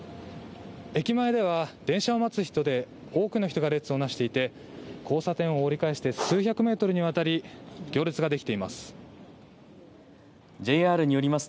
駅前では、電車を待つ人で多くの人が列をなしていて交差点を折り返して数百メートルにわたり行列ができています。